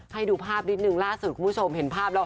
ให้ดูภาพนิดนึงล่าสุดคุณผู้ชมเห็นภาพแล้ว